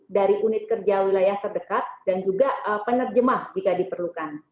dari unit kerja wilayah terdekat dan juga penerjemah jika diperlukan